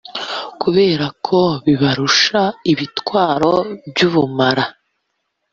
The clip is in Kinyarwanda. kubera ko bibarusha ibitwaro by’ubumara